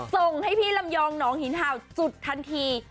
ส่งให้พี่ลำยองหนองหินเห่าจุดทันที